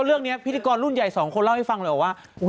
เรื่องนี้พิธีกรรุ่นใหญ่สองคนเล่าให้ฟังเลยว่า